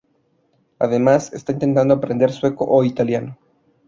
Además está intentando aprender sueco e italiano.